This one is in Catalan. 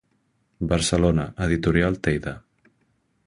Barcelona, Editorial Teide.